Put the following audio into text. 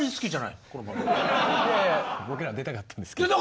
いやいや僕らは出たかったんですけど。